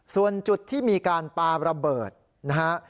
ส่วนจุดที่มีการปาระเบิดนะฮะ